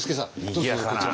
どうぞこちら。